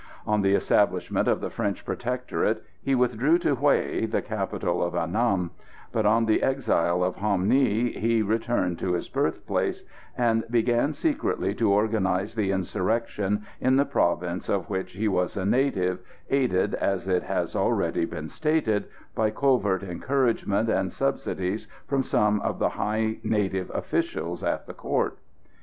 On the establishment of the French Protectorate he withdrew to Hué, the capital of Annam; but on the exile of Ham Nghi he returned to his birth place, and began secretly to organise the insurrection in the province of which he was a native, aided, as it has already been stated, by covert encouragement and subsidies from some of the high native officials at the Court.